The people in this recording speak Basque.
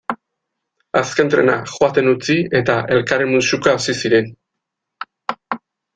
Azken trena joaten utzi eta elkarri musuka hasi ziren.